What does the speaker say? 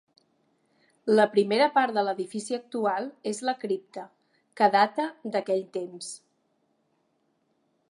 La primera part de l'edifici actual és la cripta, que data d'aquell temps.